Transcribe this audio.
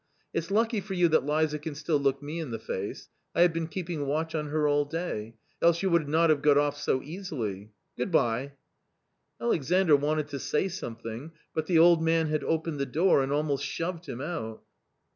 It's lucky for you that Liza can still look me in the face ; I have been keeping watch on her all day .... else you would not have got off so easily — Good bye !" Alexandr wanted to say something, but the old man had opened the door and almost shoved him out.